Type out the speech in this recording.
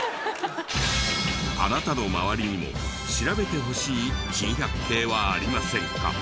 あなたの周りにも調べてほしい珍百景はありませんか？